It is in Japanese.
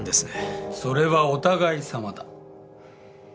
それはお互いさまだ。